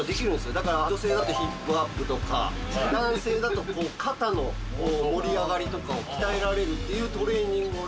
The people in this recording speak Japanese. だから女性だとヒップアップとか男性だとこう肩の盛り上がりとかを鍛えられるっていうトレーニングをね